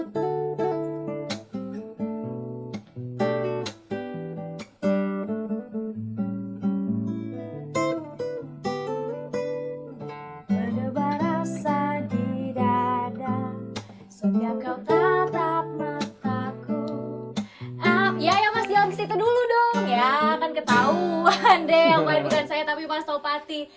ya ya masih langsung dulu dong ya kan ketauan deh bukan saya tapi mas topati